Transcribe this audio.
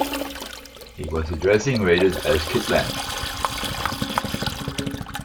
He was addressing readers as "Kitlem".